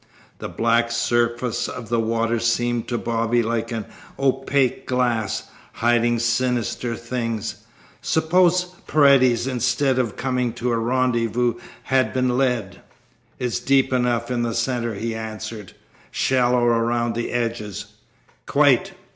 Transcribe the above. The black surface of the water seemed to Bobby like an opaque glass, hiding sinister things. Suppose Paredes, instead of coming to a rendezvous, had been led? "It's deep enough in the centre," he answered. "Shallow around the edges?" "Quite."